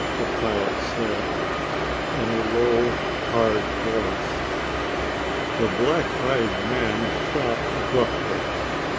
the pilot said, in a low hard voice. The black eyed man stopped abruptly.